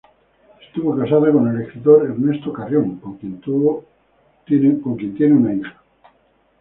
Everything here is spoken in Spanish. Estuvo casada con el escritor Ernesto Carrión, con quien tiene una hija.